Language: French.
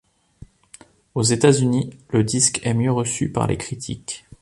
Aux États-Unis, le disque est mieux reçu par les critiques.